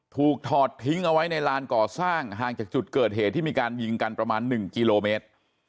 ถอดทิ้งเอาไว้ในลานก่อสร้างห่างจากจุดเกิดเหตุที่มีการยิงกันประมาณ๑กิโลเมตร